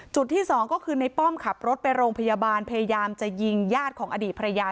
ที่สองก็คือในป้อมขับรถไปโรงพยาบาลพยายามจะยิงญาติของอดีตภรรยา